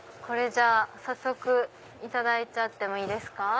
これじゃあ早速いただいていいですか？